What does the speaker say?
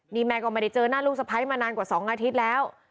นี่แม่ก็ไม่ได้เจอหน้าลูกสะพ้ายมานานกว่า๒อาทิตย์แล้ว